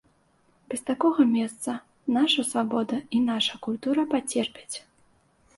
Без такога месца наша свабода і наша культура пацерпяць.